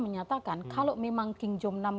menyatakan kalau memang king jomnam